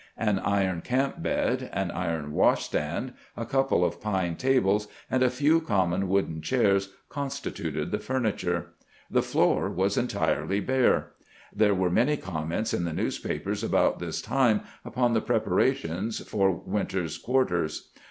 An iron camp bed, an iron wash stand, a couple of pine tables, and a few common wooden chairs constituted 330 CAMPAIGNING WITH GRANT the furniture. The floor was entirely bare. There were many comments in the newspapers about this time upon the preparations for winters quarters.